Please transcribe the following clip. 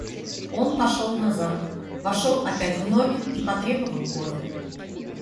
Он пошел назад, вошел опять в номер и потребовал кофе.